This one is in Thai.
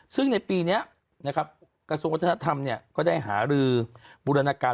ซึ่งในปีนี้นะครับกระทรวงวัฒนธรรมก็ได้หารือบูรณาการ